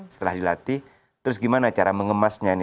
setelah dilatih terus gimana cara mengemasnya ini